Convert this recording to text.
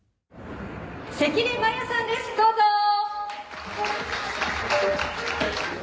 ・関根摩耶さんですどうぞ！